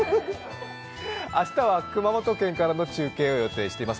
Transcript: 明日は熊本県からの中継を予定しています。